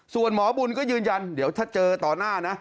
ส่วนหมอบุญก็ยืนยันเดี๋ยวถ้าเจอต่อหน้านะ